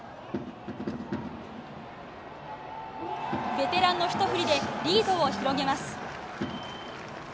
ベテランのひと振りでリードを広げます。